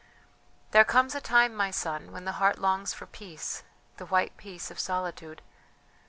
"There comes a time, my son, when the heart longs for peace; the white peace of solitude.